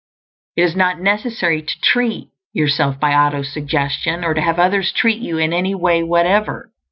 It is not necessary to "treat" yourself by auto suggestion, or to have others treat you in any way whatever.